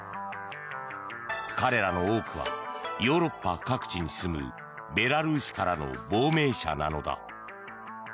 彼らの多くはヨーロッパ各地に住むベラルーシからの亡命者なのだ。